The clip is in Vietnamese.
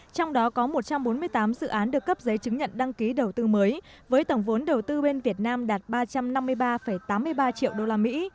trong đó có một trăm bốn mươi tám dự án được cấp giấy chứng nhận đăng ký đầu tư mới với tổng vốn đầu tư bên việt nam đạt ba trăm năm mươi ba tám mươi ba triệu đô la mỹ